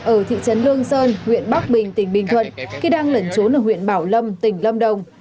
ở thị trấn lương sơn huyện bắc bình tỉnh bình thuận khi đang lẩn trốn ở huyện bảo lâm tỉnh lâm đồng